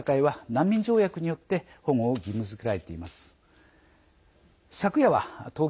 日本含む国際社会は難民条約によって保護を義務づけられています。